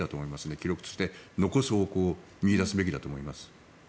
記録として残す方向を見出すべきだと思います。